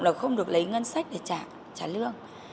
là không được lấy ngân sách để trả lương